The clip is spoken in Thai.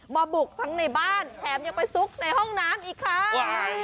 บุกทั้งในบ้านแถมยังไปซุกในห้องน้ำอีกค่ะ